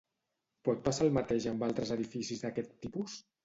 Pot passar el mateix amb altres edificis d'aquest tipus?